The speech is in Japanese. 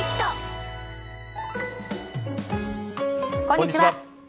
こんにちは。